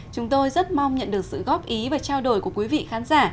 chúng tôi rất mong nhận được sự góp ý và trao đổi của quý vị khán giả